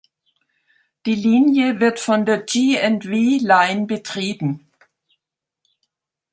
Die Linie wird von der G&V Line betrieben.